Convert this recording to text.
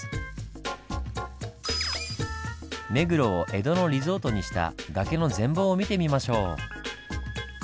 目黒を江戸のリゾートにした「崖」の全貌を見てみましょう。